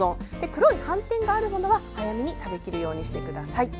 黒い斑点があるものは早めに食べきるようにしてください。